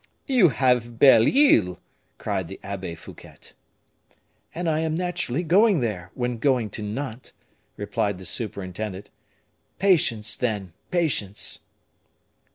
"You have Belle Isle," cried the Abbe Fouquet. "And I am naturally going there, when going to Nantes," replied the superintendent. "Patience, then, patience!"